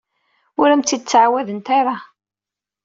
Ur am-t-id-ttɛawadent ara.